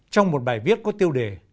trong một bài viết có tiêu đề